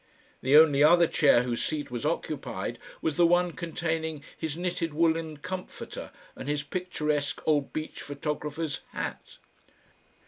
The only other chair whose seat was occupied was the one containing his knitted woollen comforter and his picturesque old beach photographer's hat.